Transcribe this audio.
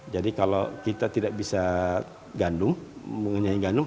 jadi kalau kita tidak bisa mengenai gandum